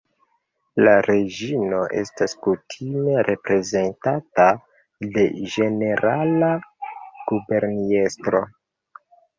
La Reĝino estas kutime reprezentata de Ĝenerala Guberniestro.